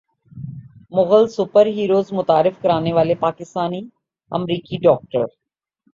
Mughal super heroes متعارف کرانے والے پاکستانی امریکی ڈاکٹر